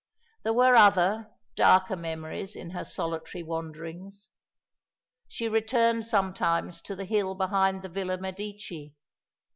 There were other, darker memories in her solitary wanderings. She returned sometimes to the hill behind the Villa Medici.